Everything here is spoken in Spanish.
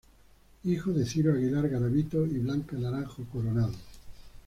Hijo de Ciro Aguilar Garavito y Blanca Naranjo Coronado.